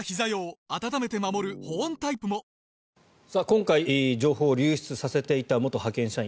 今回、情報を流出させていた元派遣社員。